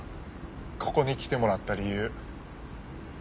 ここに来てもらった理由。